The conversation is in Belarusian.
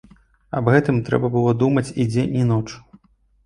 Аб гэтым трэба было думаць і дзень і ноч.